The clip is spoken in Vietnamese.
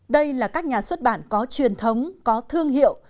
đây là các nhà xuất bản có truyền thống có thương hiệu